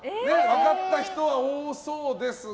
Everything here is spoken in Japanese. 分かった人は多そうですが。